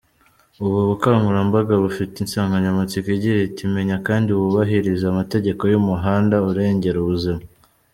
Ubu bukangurambaga bufite insanganyamatsiko igira iti:”Menya kandi wubahirize amategeko y’umuhanda, urengera ubuzima.”